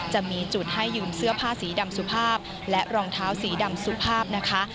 จะมีจุดให้ยืมเสื้อผ้าสีดำสุภาพและรองเท้าสีดำสุภาพนะคะ